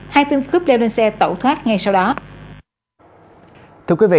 hai tên cướp đeo lên xe tẩu thoát ngay sau đó